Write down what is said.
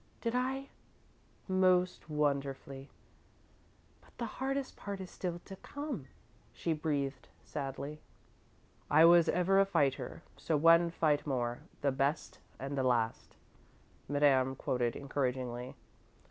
"Did I " "Most wonderfully." "But the hardest part is still to come," she breathed, sadly. "'I was ever a fighter, so one fight more. The best and the last';" Madame quoted, encouragingly.